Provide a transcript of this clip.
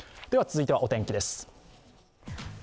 続いてはお天気です。